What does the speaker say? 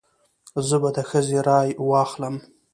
زه به د ښځې رای واخلم.